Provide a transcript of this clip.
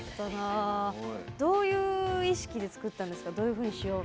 どういう意識で作ったんですか？